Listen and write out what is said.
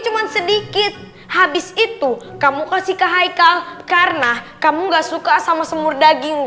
cuman sedikit habis itu kamu kasih ke haikal karena kamu gak suka sama semur daging